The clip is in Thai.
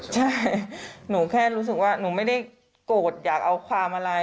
ใช่หนูแค่รู้สึกว่าหนูไม่ได้โกรธอยากเอาความอะไร